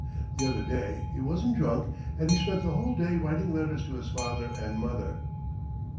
The other day he wasn't drunk and he spent the whole day writing letters to his father and mother."